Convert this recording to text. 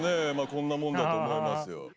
こんなもんだと思いますよ。